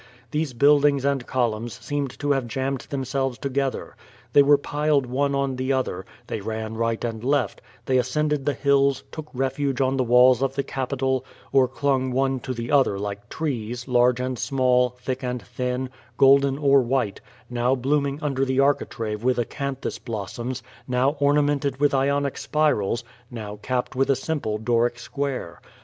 These buildings and columns seemed to have jammed themselves together. They were piled one on the other, they ran right and left, they ascended the hill^, took refuge on the walls of the Capitol, or clung one to the other like trees, large and small, thick and thin^ golden or white — ^now blooming under the architrave with acanthus blossoms, now ornamented with Ionic spirals, now capped with a simple Doric square.